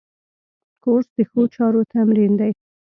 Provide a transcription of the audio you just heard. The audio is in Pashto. کورس د ښو چارو تمرین دی.